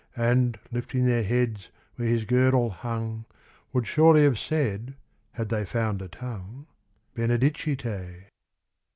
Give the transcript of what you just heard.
And, lifting their heads where his girdle hung. Would surely have said had they found a tongue, Benedicite.